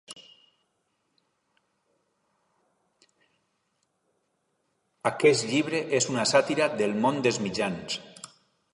Aquest llibre és una sàtira del món dels mitjans.